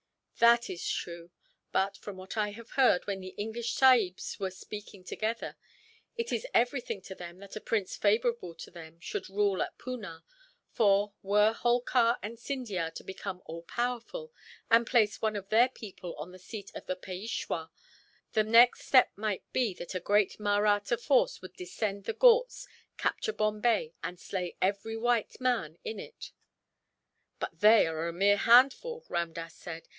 "That is true but, from what I have heard when the English sahibs were speaking together, it is everything to them that a prince favourable to them should rule at Poonah for, were Holkar and Scindia to become all powerful, and place one of their people on the seat of the Peishwa, the next step might be that a great Mahratta force would descend the Ghauts, capture Bombay, and slay every white man in it." "But they are a mere handful," Ramdass said.